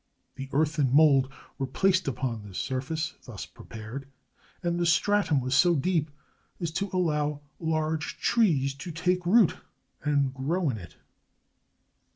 The earth and mould were placed upon this surface, thus prepared, and the stratum was so deep as to allow large trees to take root and grow in it.